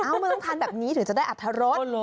มันต้องทานแบบนี้ถึงจะได้อรรถรส